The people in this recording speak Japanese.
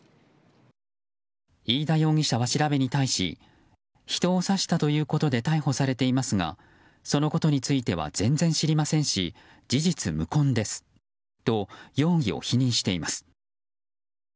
飯田容疑者は調べに対し人を刺したということで逮捕されていますがそのことについては全然知りませんし事実無根ですと容疑を否認しています。